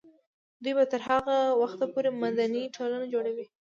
دوی به تر هغه وخته پورې مدني ټولنه جوړوي.